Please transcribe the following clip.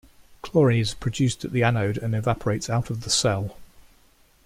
Chlorine is produced at the anode and evaporates out of the cell.